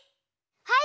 はい！